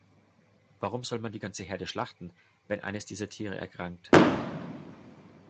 Warum soll man die ganze Herde schlachten, wenn eines dieser Tiere erkrankt?